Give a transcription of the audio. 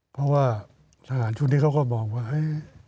เพราะว่าสหรัฐชุดนี้เขาก็บอกว่า